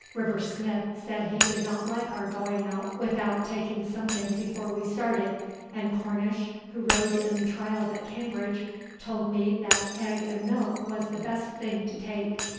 River Smith said he did not like our going out without taking something before we started, and Cornish, who rowed in the trials at Cambridge, told me that egg and milk was the best thing to take."